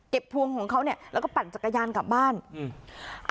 พวงของเขาเนี่ยแล้วก็ปั่นจักรยานกลับบ้านอืม